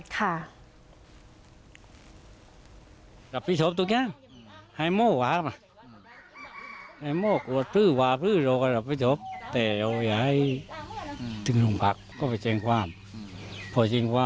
ค่ะ